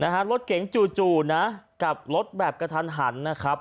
นะฮะรถเก๋งจู่นะกับรถแบบกระทันหันนะครับ